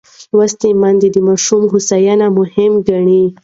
لوستې میندې د ماشوم هوساینه مهمه ګڼي.